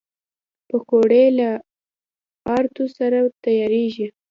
پکورې له آردو سره تیارېږي